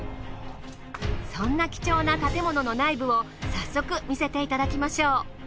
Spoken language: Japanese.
そんな貴重な建物の内部を早速見せていただきましょう。